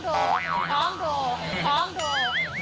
พร้อมดู